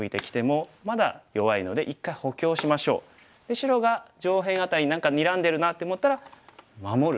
白が上辺あたり何かにらんでるなって思ったら守る。